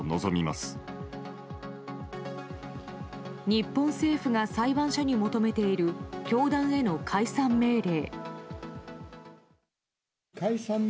日本政府が裁判所に求めている教団への解散命令。